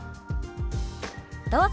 どうぞ。